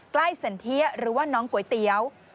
ใกล้สันเทียหรือว่าน้องก๋วยเตี๋ยว